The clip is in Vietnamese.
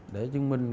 để chứng minh